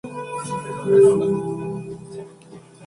Sus restos reposan en la Iglesia San Pedro, en Lima.